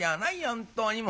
本当にもう。